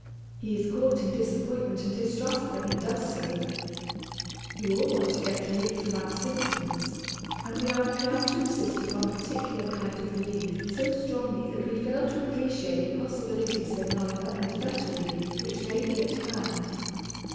He is courting disappointment and distrust when he does so. We all want to get relief from our symptoms, and we are inclined to insist upon a particular kind of relief so strongly that we fail to appreciate the possibilities of another and a better relief which may be at hand.